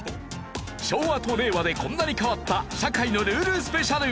昭和と令和でこんなに変わった社会のルールスペシャル。